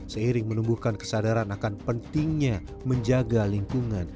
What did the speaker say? seiring menumbuhkan kesadaran akan pentingnya menjaga lingkungan